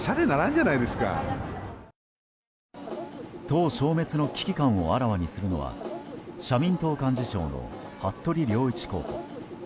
党消滅の危機感をあらわにするのは社民党幹事長の服部良一候補。